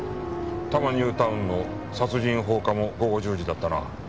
多摩ニュータウンの殺人放火も午後１０時だったな。